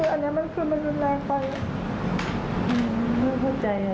อันนี้มันารุนแรงไปแปลว่าหนูเห็นพระชาติธรอด